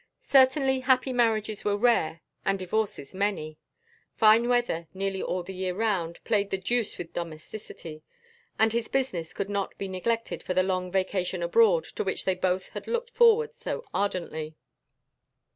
Certainly happy marriages were rare and divorces many. Fine weather nearly all the year round played the deuce with domesticity, and his business could not be neglected for the long vacation abroad to which they both had looked forward so ardently.